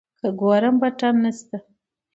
که ګورم بټن نسته.